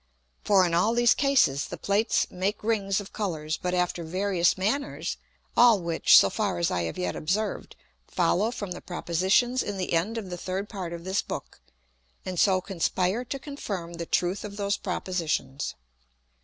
For in all these cases the Plates make Rings of Colours, but after various manners; all which, so far as I have yet observed, follow from the Propositions in the end of the third part of this Book, and so conspire to confirm the truth of those Propositions.